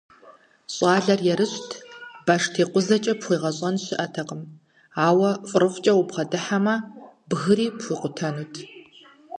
ЩӀалэр ерыщт, баштекъузэкӀэ пхуегъэщӀэн щыӀэтэкъым, ауэ фӀырыфӀкӀэ убгъэдыхьэмэ, бгыри пхуикъутэнут.